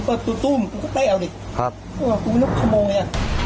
ปากกับภูมิปากกับภูมิ